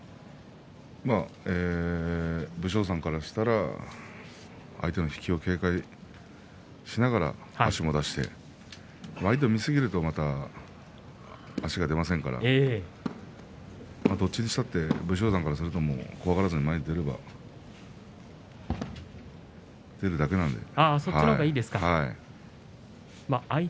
武将山からしたら相手の引き警戒しながら足も出して相手を見すぎると、また足が出ませんからどっちにしたって武将山からすると怖がらずに前に出るだけなので。